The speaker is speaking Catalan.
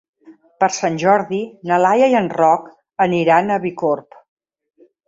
Per Sant Jordi na Laia i en Roc aniran a Bicorb.